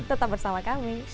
tetap bersama kami